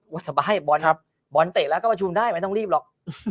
สบายบอลบอลเตะแล้วก็ประชุมได้ไม่ต้องรีบหรอก